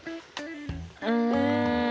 うん。